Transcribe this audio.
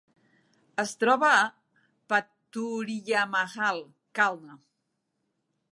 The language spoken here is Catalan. Es troba a Pathuriyamahal, Kalna.